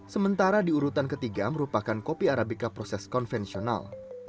sementara di urutan ketiga merupakan kopi arabica proses konvensional